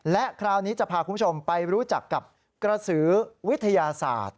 และคราวนี้จะพาคุณผู้ชมไปรู้จักกับกระสือวิทยาศาสตร์